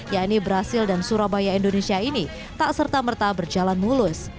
yakni brazil dan surabaya indonesia ini tak serta merta berjalan mulus